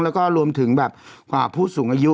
แล้วก็รวมถึงแบบผู้สูงอายุ